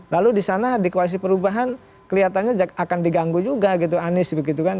lalu di sana di koalisi perubahan kelihatannya akan diganggu juga gitu anies begitu kan